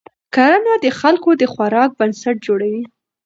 کرنه د خلکو د خوراک بنسټ جوړوي